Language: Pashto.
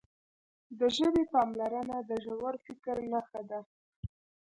د ژبې پاملرنه د ژور فکر نښه ده.